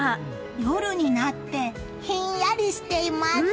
夜になってひんやりしています。